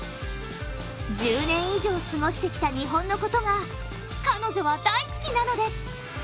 １０年以上過ごしてきた日本のことが、彼女は大好きなのです。